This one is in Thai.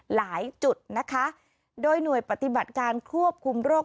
หลายจุดนะคะโดยหน่วยปฏิบัติการควบคุมโรค